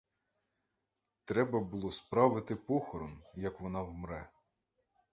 Треба було справити похорон, як вона вмре.